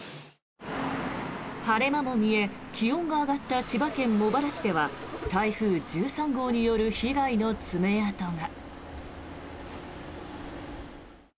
晴れ間も見え、気温が上がった千葉県茂原市では台風１３号による被害の爪痕が。